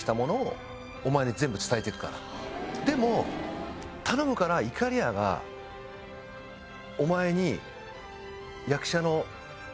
でも頼むからいかりやがお前に。